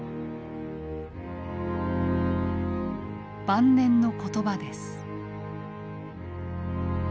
晩年の言葉です。